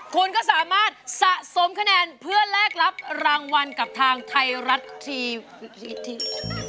คุณก็สามารถสะสมคะแนนเพื่อแลกรับรางวัลกับทางไทยรัฐทีวีที่